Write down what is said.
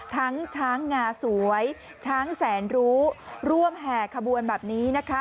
ช้างงาสวยช้างแสนรู้ร่วมแห่ขบวนแบบนี้นะคะ